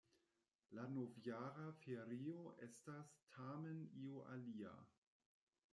La novjara ferio estas tamen io alia.